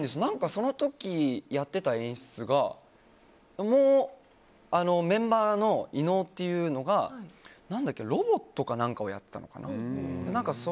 その時やっていた演出がメンバーの伊野尾っていうのがロボットか何かをやってたのかな。